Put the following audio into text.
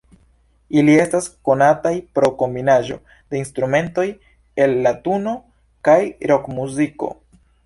Ili estas konataj pro kombinaĵo de instrumentoj el latuno kaj rokmuziko.